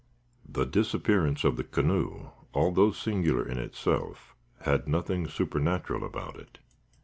The disappearance of the canoe, although singular in itself, had nothing supernatural about it.